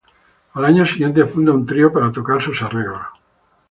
Al año siguiente funda un trío para tocar sus arreglos.